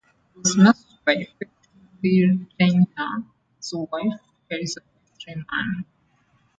He was nursed by a faithful retainer's wife, Elizabeth Ryman.